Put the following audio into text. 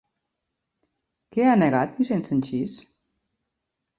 Què ha negat Vicent Sanchis?